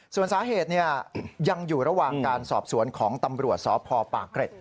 ส่วนสาเหตุยังอยู่ระหว่างการสอบสวนของตำรวจสพปากเกร็ด